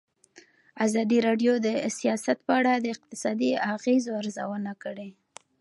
ازادي راډیو د سیاست په اړه د اقتصادي اغېزو ارزونه کړې.